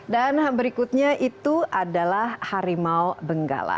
dan berikutnya itu adalah harimau benggala